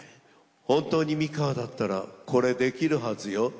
本当に美川だったらこれできるはずよ。